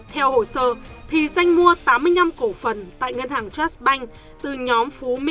theo hồ sơ thì danh mua tám mươi năm cổ phần tại ngân hàng trust bank